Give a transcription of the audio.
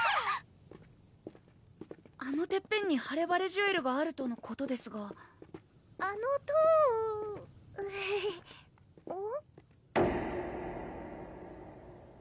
あのてっぺんにハレバレジュエルがあるとのことですがあの塔をはぁうん？